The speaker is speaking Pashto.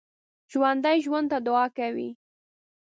ژوندي ژوند ته دعا کوي